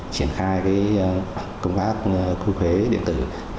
triển khai công tác khu huế điện tử hai trăm bốn mươi bảy